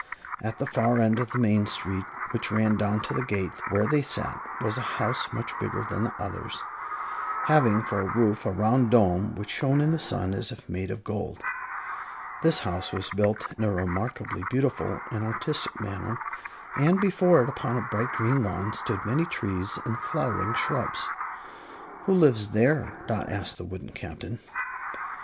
At the far end of the main street, which ran down to the gate where they sat, was a house much bigger than the others, having for a roof a round dome which shone in the sun as if made of gold. This house was built in a remarkably beautiful and artistic manner, and before it, upon a bright green lawn, stood many trees and flowering shrubs. "Who lives there?" Dot asked the wooden Captain.